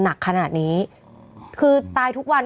หนักขนาดนี้คือตายทุกวัน